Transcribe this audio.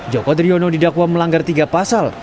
joko driono didakwa melanggar tiga pasal